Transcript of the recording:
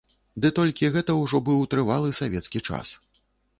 Ды толькі гэта ўжо быў трывалы савецкі час.